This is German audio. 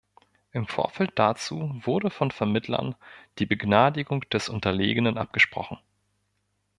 Im Vorfeld dazu wurde von Vermittlern die Begnadigung des Unterlegenen abgesprochen.